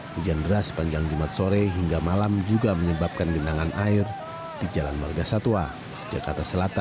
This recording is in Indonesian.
hujan deras panjang jumat sore hingga malam juga menyebabkan genangan air di jalan marga satwa jakarta selatan